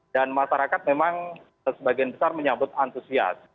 dan masyarakat memang sebagian besar menyambut antusias